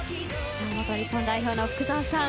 元日本代表の福澤さん